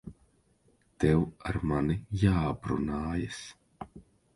Tev ar mani jāaprunājas.